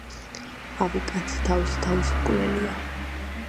ავი კაცი თავისი თავის მკვლელია